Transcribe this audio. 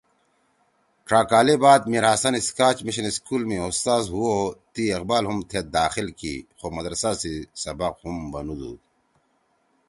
ڇا کالے بعد میرحسن اسکاچ مشن اسکول می اُستاذ ہُو او تی اقبال ہُم تھید داخل کی خو مدرسہ سی سبق ہُم بنُودُود